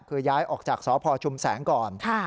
คือย้ายออกจากสพชุมแสงก่อน